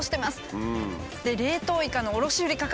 冷凍イカの卸売り価格